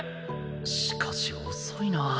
しかし遅いな